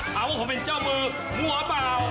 หาว่าผมเป็นเจ้ามือมัวเปล่า